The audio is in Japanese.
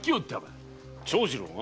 長次郎が？